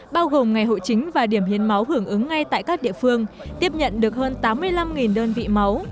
bao gồm ngày hội chính và điểm hiến máu hưởng ứng ngay tại các địa phương tiếp nhận được hơn tám mươi năm đơn vị máu